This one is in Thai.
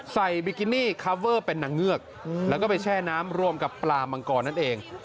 ใส่บิกินี่เป็นหนังเงือกแล้วก็ไปแช่น้ำร่วมกับปลามังกรนั่นเอง